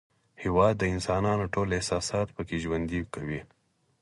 هېواد د انسان ټول احساسات پکې ژوند کوي.